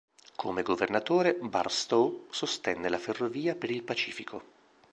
Come governatore, Barstow sostenne la ferrovia per il Pacifico.